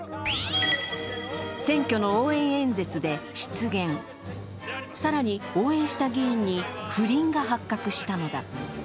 選挙の応援演説で失言、更に応援した議員に不倫が発覚したのだ。